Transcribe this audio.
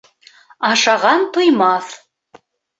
Ашаған туймаҫ.